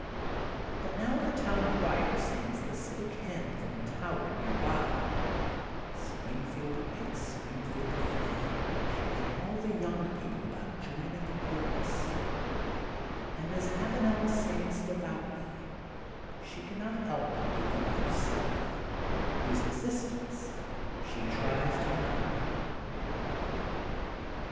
Bu^ now the town choir sings the civic hymn from a tower near by: —^Springfield Awake, Springfield Aflame '* and all the young people about join in the chorus, and as Avanel sings devoutly she cannot help but be the other self whose existence she tries to deny.